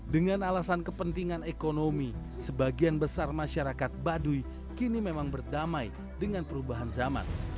dengan alasan kepentingan ekonomi sebagian besar masyarakat baduy kini memang berdamai dengan perubahan zaman